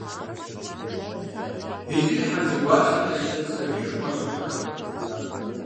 Иджыри Хьэнцэгуащэ къезышэкӏ сэбийхэм уащырохьэлӏэ къуажэ пхыдзахэм.